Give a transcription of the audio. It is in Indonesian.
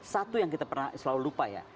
satu yang kita pernah selalu lupa ya